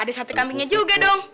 ada satu kambingnya juga dong